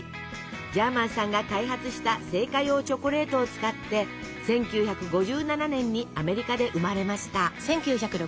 ジャーマンさんが開発した製菓用チョコレートを使って１９５７年にアメリカで生まれました。